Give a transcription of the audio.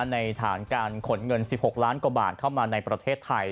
ในฐานการขนเงิน๑๖ล้านกว่าบาทเข้ามาในประเทศไทย